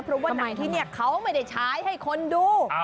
เพราะว่าในที่นี่เขาไม่ได้ใช้ให้คนดู